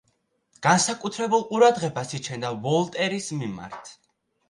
განსაკუთრებულ ყურადღებას იჩენდა ვოლტერის მიმართ.